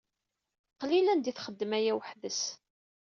Qlil anda i txeddem aya weḥd-s.